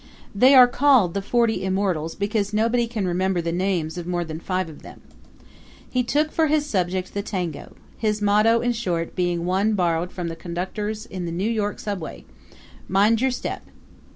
They are called the Forty Immortals because nobody can remember the names of more than five of them. He took for his subject the tango his motto, in short, being one borrowed from the conductors in the New York subway "Mind your step!"